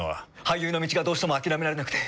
俳優の道がどうしても諦められなくて。